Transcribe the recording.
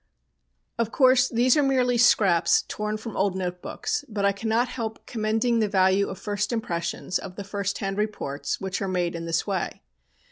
Of course these are merely scraps torn from old note books, but I cannot help commending the value of first impressions, of the first hand reports, which are made in this way.